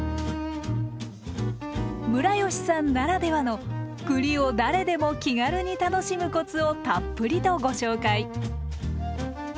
ムラヨシさんならではの栗を誰でも気軽に楽しむコツをたっぷりとご紹介。